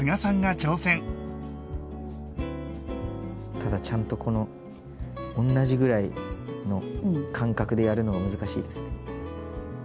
ただちゃんとこの同じぐらいの間隔でやるのが難しいです。